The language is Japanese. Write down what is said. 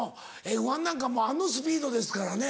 Ｆ１なんかあのスピードですからね。